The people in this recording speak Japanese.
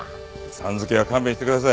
さん付けは勘弁してください。